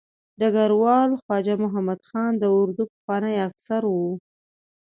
ډګروال خواجه محمد خان د اردو پخوانی افسر و.